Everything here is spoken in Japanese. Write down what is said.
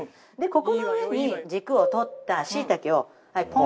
ここの上に軸を取ったしいたけをポンとのせます。